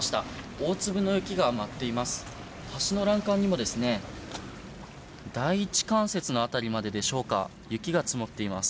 大粒の雪が舞っています。